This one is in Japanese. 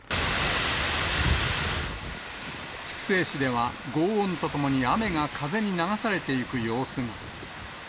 筑西市ではごう音とともに雨が風に流されていく様子が。